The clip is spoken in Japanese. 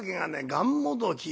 がんもどき」。